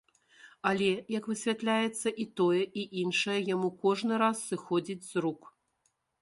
Але, як высвятляецца, і тое, і іншае яму кожны раз сыходзіць з рук.